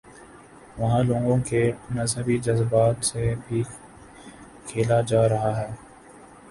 وہاں لوگوں کے مذہبی جذبات سے بھی کھیلاجا رہا ہے۔